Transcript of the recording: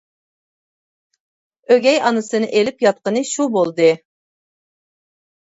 ئۆگەي ئانىسىنى ئېلىپ ياتقىنى شۇ بولدى.